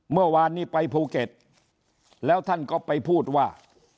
เมื่อวานนี้ไปภูเก็ตแล้วท่านก็ไปพูดว่า